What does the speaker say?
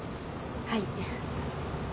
はい。